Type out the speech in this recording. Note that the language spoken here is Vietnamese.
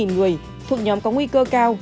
người thuộc nhóm có nguy cơ cao